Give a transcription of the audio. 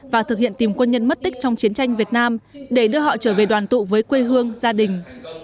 và thực hiện tìm quân nhân mất tích trong chiến tranh việt nam để đưa họ trở về đoàn tụ với quê hương gia đình